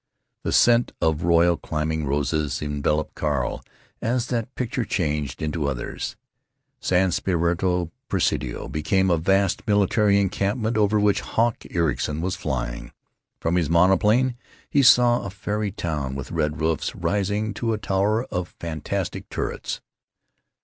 The scent of royal climbing roses enveloped Carl as that picture changed into others. San Spirito Presidio became a vast military encampment over which Hawk Ericson was flying.... From his monoplane he saw a fairy town, with red roofs rising to a tower of fantastic turrets.